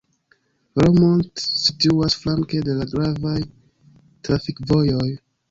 Romont situas flanke de la gravaj trafikvojoj.